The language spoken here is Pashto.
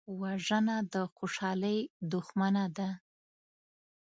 وژنه د خوشحالۍ دښمنه ده